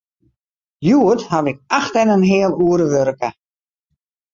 Hjoed haw ik acht en in heal oere wurke.